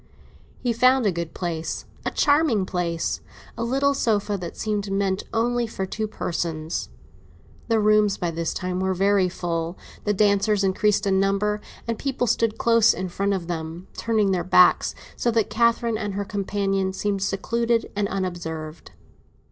He found a good place—a charming place; a little sofa that seemed meant only for two persons. The rooms by this time were very full; the dancers increased in number, and people stood close in front of them, turning their backs, so that Catherine and her companion seemed secluded and unobserved.